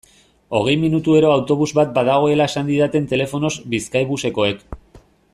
Hogei minutuero autobus bat badagoela esan didaten telefonoz Bizkaibusekoek.